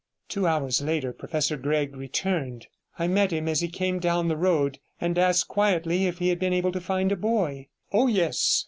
Two hours later Professor Gregg returned. I met him as he came down the road, and asked quietly if he had been able to find a boy. 'Oh, yes.'